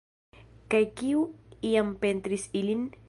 Kaj kiu iam pentris ilin?